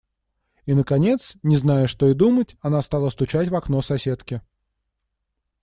И, наконец, не зная, что и думать, она стала стучать в окно соседке.